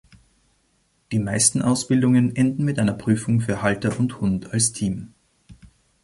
Die meisten Ausbildungen enden mit einer Prüfung für Halter und Hund als Team.